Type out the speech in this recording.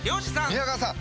宮川さん